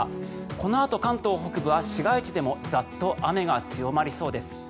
このあと関東北部は市街地でもザッと雨が強まりそうです。